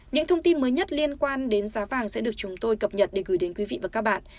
những thông tin mới nhất liên quan đến giá vàng sẽ được chúng tôi cập nhật để gửi đến quý vị và các bạn